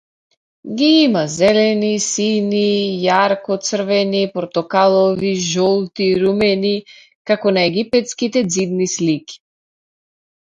Ги има зелени, сини, јарко црвени, портокалови, жолти, румени, како на египетските ѕидни слики.